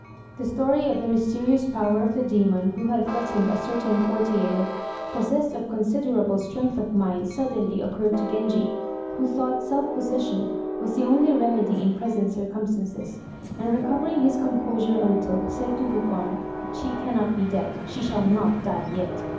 The story of the mysterious power of the demon, who had threatened a certain courtier possessed of considerable strength of mind, suddenly occurred to Genji, who thought self possession was the only remedy in present circumstances, and recovering his composure a little, said to Ukon, "She cannot be dead! She shall not die yet!"